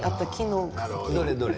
どれどれ？